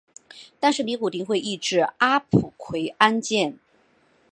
但是尼古丁会抑制阿朴奎胺碱。